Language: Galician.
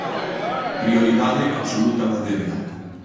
Prioridade absoluta da débeda.